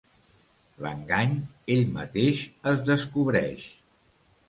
L'engany, ell mateix es descobreix.